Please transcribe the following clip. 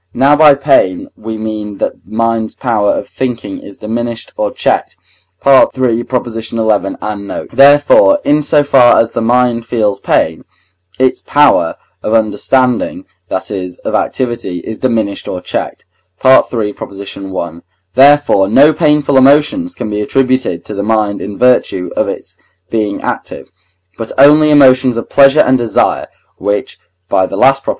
Now by pain we mean that the mind's power of thinking is diminished or checked (III. xi. and note); therefore, in so far as the mind feels pain, its power of understanding, that is, of activity, is diminished or checked (III. i.); therefore, no painful emotions can be attributed to the mind in virtue of its being active, but only emotions of pleasure and desire, which (by the last Prop.)